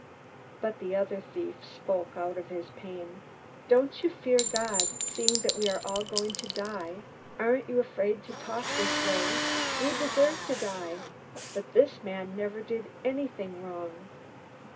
But the other thief spoke out of his pain: "Don't you fear God, seeing that we are all going to die? Aren't you afraid to talk that way? We deserve to die; but this man never did anything wrong."